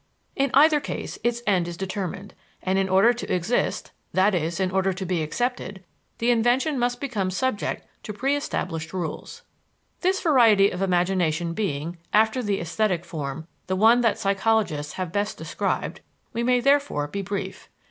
In either case its end is determined, and in order to exist, i.e., in order to be accepted, the invention must become subject to preëstablished rules. This variety of imagination being, after the esthetic form, the one that psychologists have best described, we may therefore be brief.